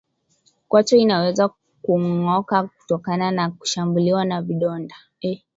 Kwato inaweza kungoka kutokana na kushambuliwa na vidonda